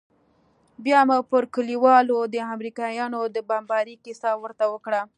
بيا مې پر كليوالو د امريکايانو د بمبارۍ كيسه ورته وكړه.